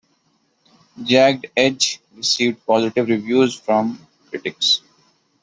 "Jagged Edge" received positive reviews from critics.